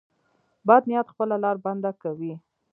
بد نیت خپله لار بنده کوي.